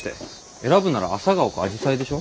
選ぶならアサガオかアジサイでしょ？